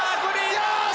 よし！